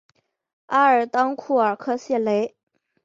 阿尔当库尔科谢雷。